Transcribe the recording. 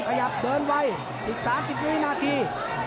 ขยับเดินไวอีก๓๐วินาที